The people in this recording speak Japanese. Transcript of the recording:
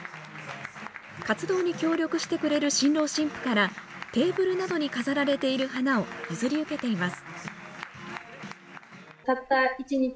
活動に協力してくれる新郎新婦からテーブルなどに飾られている花を譲り受けています。